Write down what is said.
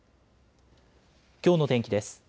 きょうの天気です。